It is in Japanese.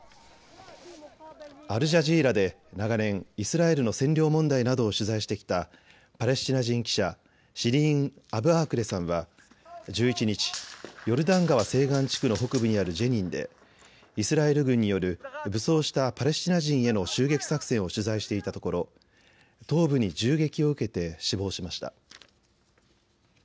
アルジャジーラで長年、イスラエルの占領問題などを取材してきたパレスチナ人記者、シリーン・アブアークレさんは１１日、ヨルダン川西岸地区の北部にあるジェニンでイスラエル軍による武装したパレスチナ人への襲撃作戦を取材していたところ頭部に銃撃を受けて死亡しました。